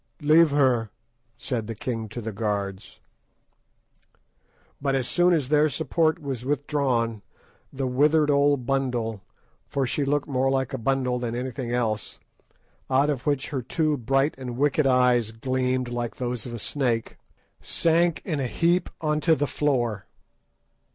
"Leave her," said the king to the guards. So soon as their support was withdrawn, the withered old bundle—for she looked more like a bundle than anything else, out of which her two bright and wicked eyes gleamed like those of a snake—sank in a heap on to the floor.